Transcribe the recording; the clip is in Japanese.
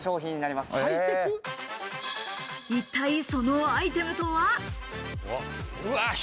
一体そのアイテムとは？